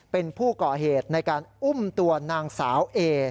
เป็นผู้ก่อเหตุในการอุ้มตัวนางสาวเอ